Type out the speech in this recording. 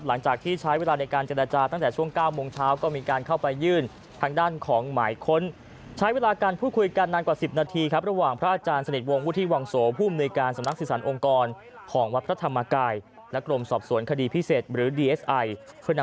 หลังจากที่ใช้เวลาในการเจรจาตั้งแต่ช่วง๙โมงเช้าก็มีการเข้าไปยื่นทางด้านของใหม่คน